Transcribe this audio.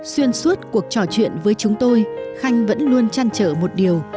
xuyên suốt cuộc trò chuyện với chúng tôi khanh vẫn luôn chăn trở một điều